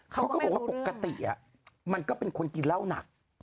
เขาก็บอกว่าปกติมันก็เป็นคนกินเหล้าหนัก